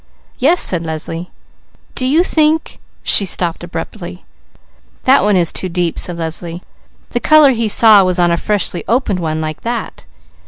"Yes," said Leslie. "Do you think ?" She stopped abruptly. "That one is too deep," said Leslie. "The colour he saw was on a freshly opened one like that."